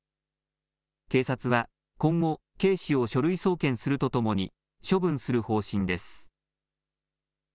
警察は今後、警視を書類送検するとともに、処分する方針です。